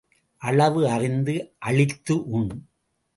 அளவு அறிந்து அளித்து உண்.